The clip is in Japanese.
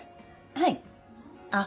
はいあっ